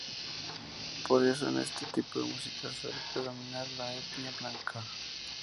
Por eso en este tipo de música suele predominar la etnia blanca.